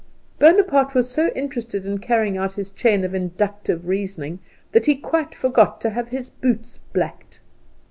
Bonaparte was so interested in carrying out this chain of inductive reasoning that he quite forgot to have his boots blacked.